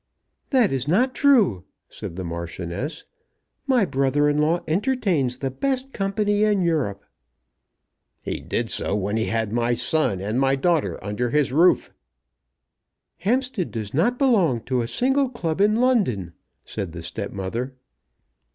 "That is not true," said the Marchioness. "My brother in law entertains the best company in Europe." "He did do so when he had my son and my daughter under his roof." "Hampstead does not belong to a single club in London," said the step mother.